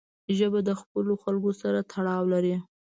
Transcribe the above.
ژبه د خپلو خلکو سره تړاو لري